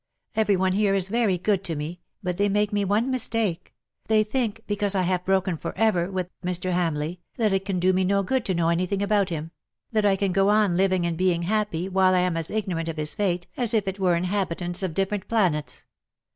Every one here is very good to me — but they make one mistake : they think because I have broken for ever — with — Mr. Hamleigh, that it can do me no good to know anything about him — that I can go on living and being happy, while I am as ignorant of his fate as if we were inhabitants of difterent 36 planets.